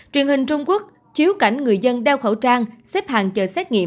truyền hình trung quốc chiếu cảnh người dân đeo khẩu trang xếp hàng chờ xét nghiệm